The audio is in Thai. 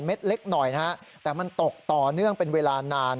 เล็กหน่อยนะฮะแต่มันตกต่อเนื่องเป็นเวลานาน